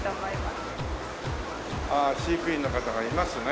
ああ飼育員の方がいますね。